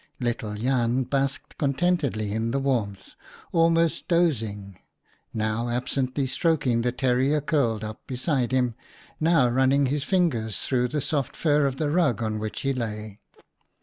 Little Jan basked contentedly in the warmth, almost dozing — now absently stroking the terrier curled up beside him, now running his fingers through the softer fur of the rug on which he lay.